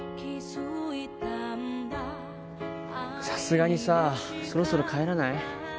さすがにさそろそろ帰らない？